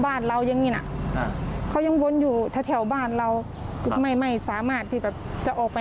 อยากให้เขาไกลเกลี่ยนีไห่อะไรอย่างนี้